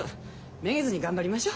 めげずに頑張りましょう。